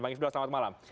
bang ifdal selamat malam